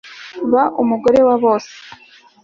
Ba umugore wa bose